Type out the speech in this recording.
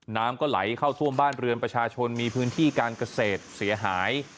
น้ำก็ไหลเข้าท่วมบ้านเรือนประชาชนมีพื้นที่การเกษตรเสียหาย